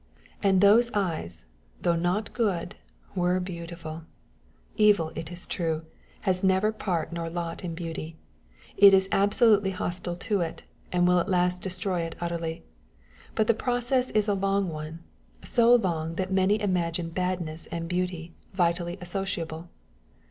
And those eyes, though not good, were beautiful. Evil, it is true, has neither part nor lot in beauty; it is absolutely hostile to it, and will at last destroy it utterly; but the process is a long one, so long that many imagine badness and beauty vitally associable.